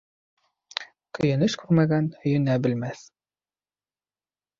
Көйөнөс күрмәгән һөйөнә белмәҫ.